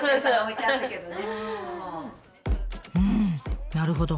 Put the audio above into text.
うんなるほど。